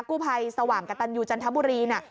กู้ภัยสว่างกระตันยูจันทบุรีเนี่ย